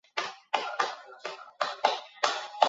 隆重的葬礼在皇太子去世两天后举行。